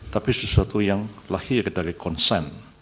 tapi sesuatu yang lahir dari konsen